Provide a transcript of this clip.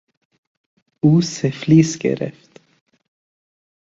او سفلیس گرفت.